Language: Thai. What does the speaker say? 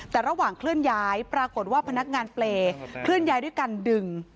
แต่ระหว่างเคลื่อนย้ายปรากฏว่าพนักงานเปรย์เคลื่อนย้ายด้วยการดึง